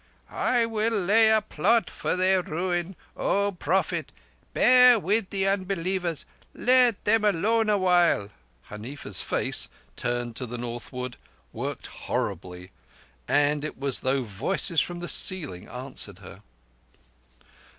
"..._I will lay a plot for their ruin! O Prophet, bear with the unbelievers. Let them alone awhile!_" Huneefa's face, turned to the northward, worked horribly, and it was as though voices from the ceiling answered her.